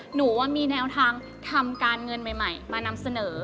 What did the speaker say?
หนูว่ามีแนวทางทำการเงินใหม่มานำเสนอ